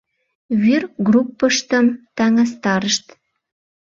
Вӱр группыштым таҥастарышт.